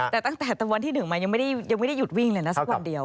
แต่ตั้งแต่วันที่๑จนไม่ได้หยุดวิ่งเลยถ้าเดียว